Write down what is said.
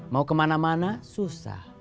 mau kemana mana susah